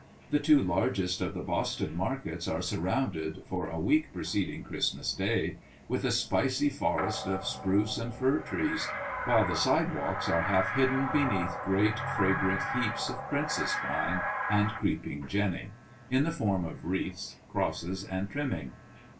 The two largest of the Boston markets are surrounded, for a week preceding Christmas day, with a spicy forest of spruce and fir trees, while the sidewalks are half hidden beneath great fragrant heaps of "princess pine" and "creeping Jenny," in the form of wreaths, crosses and trimming.